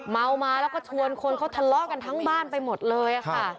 เมามาแล้วก็ชวนคนเขาทะเลาะกันทั้งบ้านไปหมดเลยค่ะ